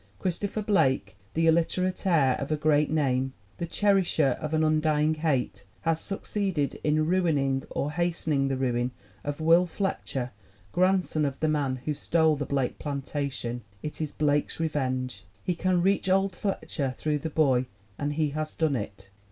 Christopher Blake, the illiterate heir of a great name, the cherisher of an undying hate, has succeeded in ruining or hastening the ruin of Will Fletcher, grandson of the man who stole the Blake plantation. It is Blake's revenge. He can reach old Fletcher through the boy and he has done it.